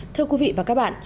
thưa quý vị và các bạn